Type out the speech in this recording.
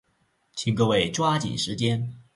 请各位抓紧时间。